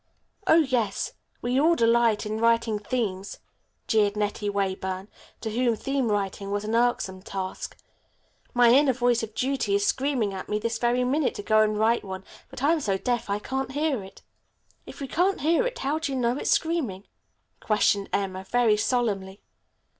"Oh, yes; we all delight in writing themes," jeered Nettie Weyburn, to whom theme writing was an irksome task. "My inner voice of duty is screaming at me this very minute to go and write one, but I'm so deaf I can't hear it." "If you can't hear it, how do you know it is screaming?" questioned Emma very solemnly.